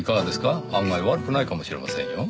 案外悪くないかもしれませんよ。